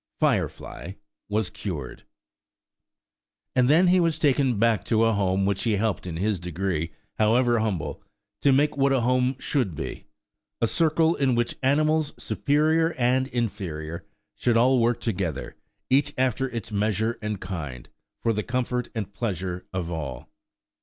Firefly was cured. And then he was taken back to a home which he helped in his degree, however humble, to make what a home should be;–a circle in which animals, superior and inferior, should all work together, each after its measure and kind, for the comfort and pleasure of all.